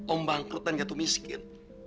om bangkrut dan jatuh miskin